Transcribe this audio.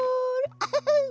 アハハ！